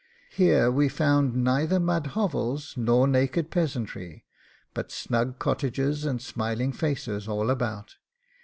... Here we found neither mud hovels nor naked peasantry, but snug cottages and smiling faces all about.